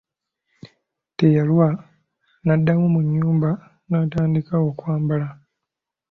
Teyalwa n'addamu mu nnyumba n'atandika okwambala.